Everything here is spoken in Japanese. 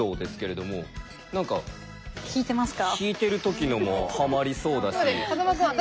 引いてる時のもハマりそうだし。